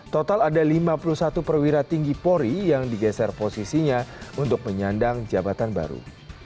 total ada lima puluh satu perwira tinggi polri yang digeser posisinya untuk menyandang jabatan baru